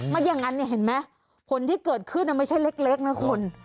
ไม่อย่างนั้นเนี่ยเห็นมั้ยผลที่เกิดขึ้นน่ะไม่ใช่เล็กที่เลยนะคุณ